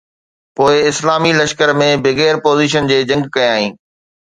پوءِ اسلامي لشڪر ۾ بغير پوزيشن جي جنگ ڪيائين